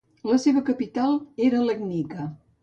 La seva capital era Legnica.